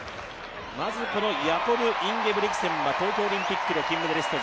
まずヤコブ・インゲブリクセンは、東京オリンピックの金メダリスト。